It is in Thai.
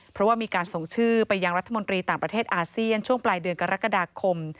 เพราะว่ามีการส่งชื่อไปยังรัฐมนตรีต่างประเทศอาเซียนช่วงปลายเดือนกรกฎาคม